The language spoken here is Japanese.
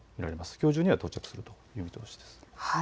きょう中には到着すると見られます。